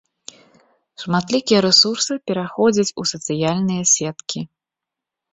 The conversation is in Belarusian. Шматлікія рэсурсы пераходзяць у сацыяльныя сеткі.